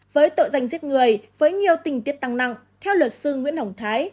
với tội danh giết người với nhiều tình tiết tăng nặng theo luật sư nguyễn hồng thái